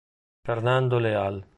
Fernando Leal